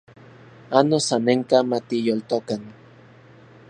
Ano sanenka matiyoltokan